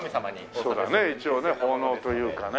そうだね一応ね奉納というかね。